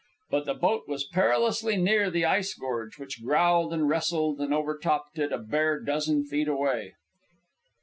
But the boat was perilously near the ice gorge, which growled and wrestled and over topped it a bare dozen feet away.